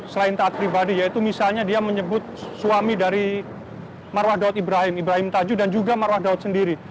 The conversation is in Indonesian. selain taat pribadi yaitu misalnya dia menyebut suami dari marwah daud ibrahim ibrahim tajuh dan juga marwah daud sendiri